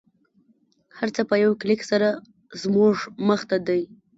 هر څه په یوه کلیک سره زموږ مخته دی